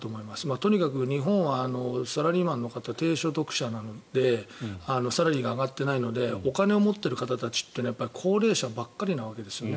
とにかく日本はサラリーマンの方低所得者なのでサラリーが上がっていないのでお金を持ってる方たちは高齢者ばっかりなわけですよね。